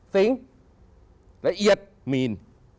สิงละเอียดมีน